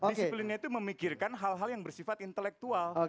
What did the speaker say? disiplinnya itu memikirkan hal hal yang bersifat intelektual